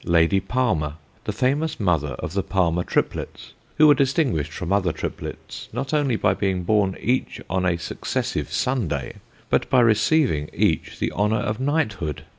Lady Palmer, the famous mother of the Palmer triplets, who were distinguished from other triplets, not only by being born each on a successive Sunday but by receiving each the honour of knighthood.